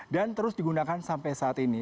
dan terus digunakan sampai saat ini